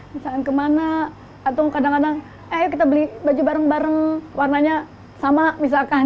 misalkan kemana atau kadang kadang ayo kita beli baju bareng bareng warnanya sama misalkan